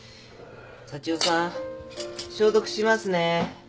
左千夫さん消毒しますね。